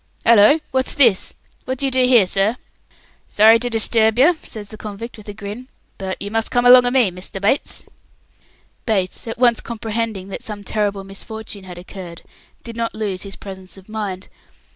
"Hallo! What's this? What do you do here, sir?" "Sorry to disturb yer," says the convict, with a grin, "but you must come along o' me, Mr. Bates." Bates, at once comprehending that some terrible misfortune had occurred, did not lose his presence of mind.